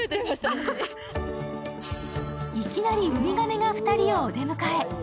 いきなり海亀が２人をお出迎え。